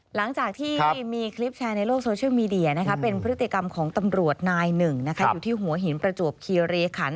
หลังจากที่มีคลิปแชร์ในโลกโซเชียลมีเดียเป็นพฤติกรรมของตำรวจนายหนึ่งอยู่ที่หัวหินประจวบคีรีขัน